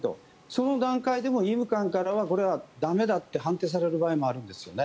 その段階でも医務官からこれは駄目だって判定される場合もあるんですよね。